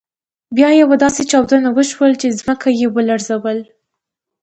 بیا یوه داسې چاودنه وشول چې ځمکه يې ولړزول.